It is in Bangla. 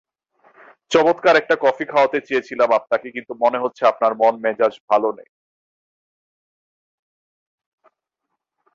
চমৎকার একটা কফি খাওয়াতে চেয়েছিলাম আপনাকে কিন্তু মনে হচ্ছে আপনার মন-মেজাজ ভালো নেই।